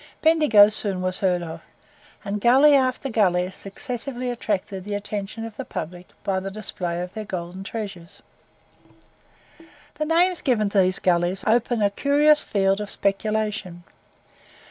Bendigo soon was heard of; and gully after gully successively attracted the attention of the public by the display of their golden treasures. The names given to these gullies open a curious field of speculation.